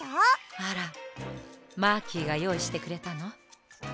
あらマーキーがよういしてくれたの？